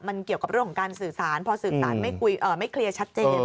มันเกี่ยวกับเรื่องของการสื่อสารพอสื่อสารไม่เคลียร์ชัดเจน